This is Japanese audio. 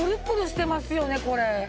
してますよねこれ。